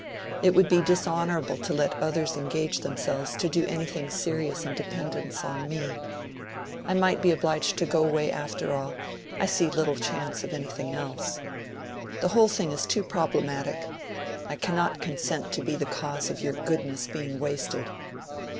It would be dishonorable to let others engage themselves to anything serious in dependence on me. I might be obliged to go away after all; I see little chance of anything else. The whole thing is too problematic; I cannot consent to be the cause of your goodness being wasted.